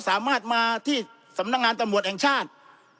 สามารถมาที่สำนักงานตำรวจแห่งชาติ